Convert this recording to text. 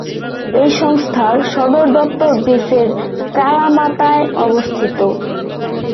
এই সংস্থার সদর দপ্তর গ্রিসের কালামাতায় অবস্থিত।